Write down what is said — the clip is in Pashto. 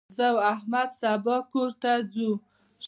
زه او احمد سبا کور ته ځو.